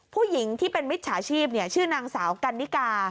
ผู้หญิงที่เป็นมิจฉาชีพชื่อนางสาวกันนิกา